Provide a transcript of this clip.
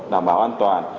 đảm bảo an toàn